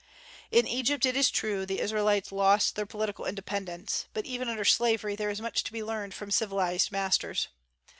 In Egypt, it is true, the Israelites lost their political independence; but even under slavery there is much to be learned from civilized masters.